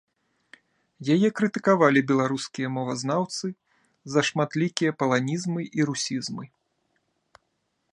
Яе крытыкавалі беларускія мовазнаўцы за шматлікія паланізмы і русізмы.